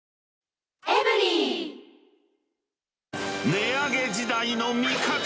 値上げ時代の味方！